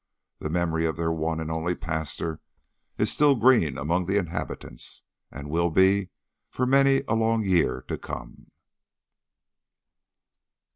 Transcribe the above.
The memory of their one and only pastor is still green among the inhabitants, and will be for many a long year to come.